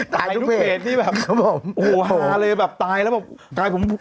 ตายทุกเพจนี่แบบโอ้โฮะเลยแบบตายแล้วแบบ